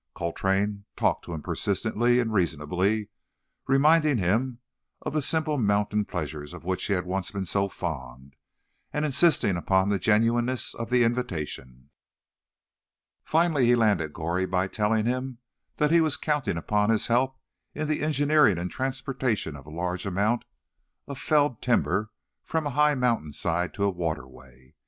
Coltrane talked to him persistently and reasonably, reminding him of the simple mountain pleasures of which he had once been so fond, and insisting upon the genuineness of the invitation. Finally he landed Goree by telling him he was counting upon his help in the engineering and transportation of a large amount of felled timber from a high mountain side to a waterway.